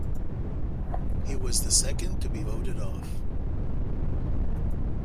He was the second to be voted off.